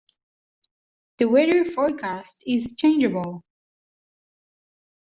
The weather forecast is changeable.